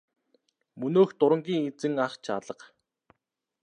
Мөнөөх дурангийн эзэн ах ч алга.